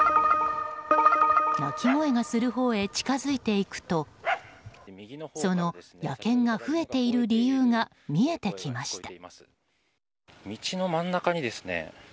鳴き声がするほうへ近づいていくとその野犬が増えている理由が見えてきました。